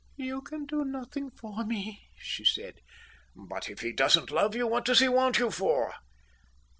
"You can do nothing for me," she said. "But if he doesn't love you, what does he want you for?"